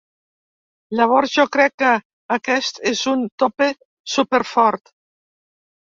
Llavors, jo crec que aquest és un tope superfort.